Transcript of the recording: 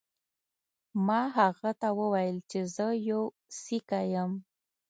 ما هغه ته وویل چې زه یو سیکه یم.